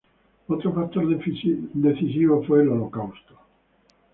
Otro factor decisivo fue el Holocausto.